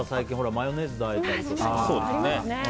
マヨネーズであえたりとかね。